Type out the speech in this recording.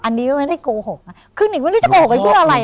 อันนี้มันไม่ได้โกหกคือหนึ่งไม่รู้จะโกหกกันเพราะอะไร